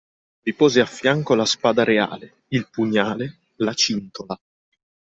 Vi pose affianco la spada reale, il pugnale, la cintola.